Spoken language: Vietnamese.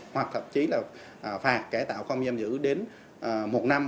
hoặc thậm chí là phạt cải tạo không giam giữ đến một năm